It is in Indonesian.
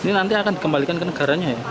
ini nanti akan dikembalikan ke negaranya ya